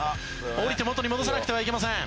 降りて元に戻さなくてはいけません。